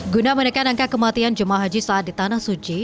guna menekan angka kematian jemaah haji saat di tanah suci